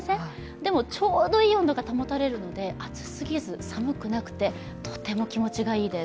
でも、ちょうどいい温度が保たれるので熱すぎず、寒くなくてとても気持ちがいいです。